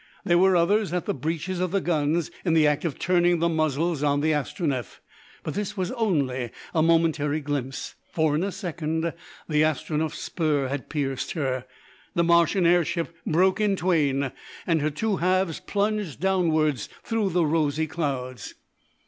There were others at the breaches of the guns in the act of turning the muzzles on the Astronef; but this was only a momentary glimpse, for in a second the Astronef's spur had pierced her, the Martian air ship broke in twain, and her two halves plunged downwards through the rosy clouds.